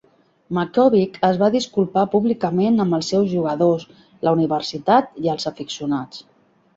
Mackovic es va disculpar públicament amb els seus jugadors, la universitat i els aficionats.